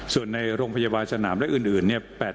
ส่วนในโรงพยาวะสนามและอื่น๘๗๐๐๐